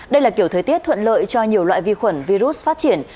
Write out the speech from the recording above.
đây là kiểu thời tiết thuận lợi cho nhiều loại vi khuẩn virus phát triển